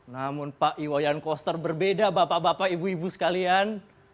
namun pak iwayan koster berbeda bapak bapak ibu ibu sekalian